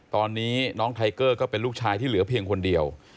ตอนนี้น้องไทเกอร์ก็เป็นลูกชายที่เหลือเพียงคนเดียว